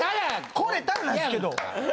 来れたらなんですけど。